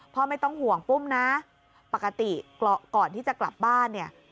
ไม่ต้องห่วงปุ้มนะปกติก่อนที่จะกลับบ้านเนี่ย